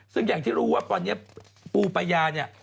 ซึ่งอย่างที่รู้ว่าตอนนี้ปูปายาเนี่ย